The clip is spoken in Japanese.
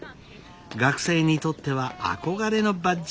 学生にとっては憧れのバッジなのです。